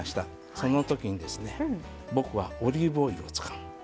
そのときに僕はオリーブオイルを使う。